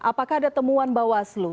apakah ada temuan bawas lu